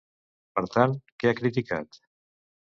Per tant, què ha criticat?